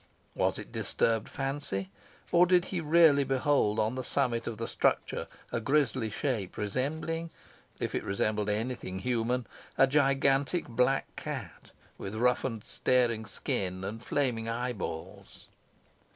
Was it disturbed fancy, or did he really behold on the summit of the structure a grisly shape resembling if it resembled any thing human a gigantic black cat, with roughened staring skin, and flaming eyeballs?